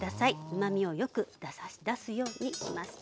うまみをよく出すようにします。